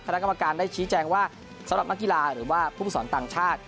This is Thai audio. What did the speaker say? คณะกรรมการได้ชี้แจงว่าสำหรับนักกีฬาหรือว่าผู้สอนต่างชาติ